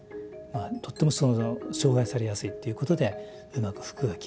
とっても障害されやすいっていうことでうまく服が着れなくなる。